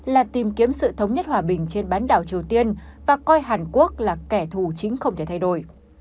là tìm kiếm sự thống nhất hòa bình trên bán đảo triều tiên và coi hàn quốc là kẻ thù chính không thể thay đổi